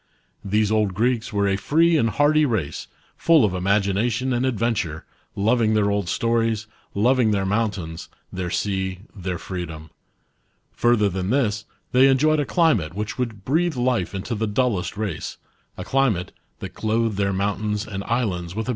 These old Greeks were a free and hardy race, full of imagination and adventure, loving their old stories, loving their mountains, their sea, their freedom. Further than this, they enjoyed a climate which would breathe life into the dullest race ; a climate, that clothed their mountains and islands with a .